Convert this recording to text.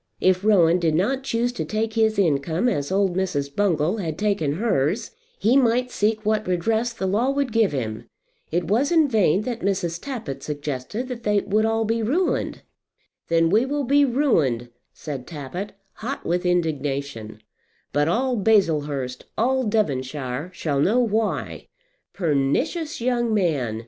If Rowan did not choose to take his income as old Mrs. Bungall had taken hers he might seek what redress the law would give him. It was in vain that Mrs. Tappitt suggested that they would all be ruined. "Then we will be ruined," said Tappitt, hot with indignation; "but all Baslehurst, all Devonshire shall know why." Pernicious young man!